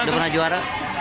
sudah pernah juara